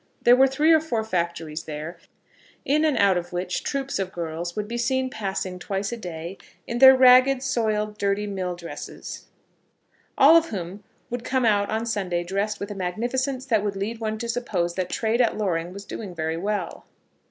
There were three or four factories there, in and out of which troops of girls would be seen passing twice a day, in their ragged, soiled, dirty mill dresses, all of whom would come out on Sunday dressed with a magnificence that would lead one to suppose that trade at Loring was doing very well.